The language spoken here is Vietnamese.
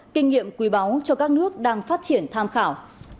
kinh nghiệm quý báu cho các nước đang phát triển tham khảo